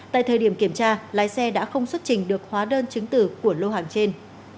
tại thời điểm kiểm tra lái xe đã không xuất trình được hóa đơn chứng tử của lô hàng trên